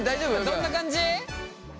どんな感じ？